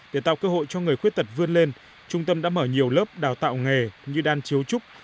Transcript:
để tạo cơ hội cho người khuyết tật vươn lên trung tâm đã mở nhiều lớp đào tạo nghề như đan chiếu trúc